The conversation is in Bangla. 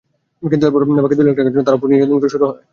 কিন্তু এরপর বাকি দুই লাখ টাকার জন্য তাঁর ওপর নির্যাতন শুরু হয়।